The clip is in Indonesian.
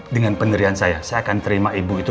dengan penderian saya saya akan terima ibu itu